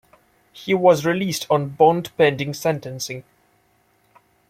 He was released on bond pending sentencing.